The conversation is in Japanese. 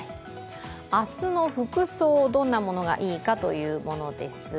明日の服装、どんなものがいいうというものです。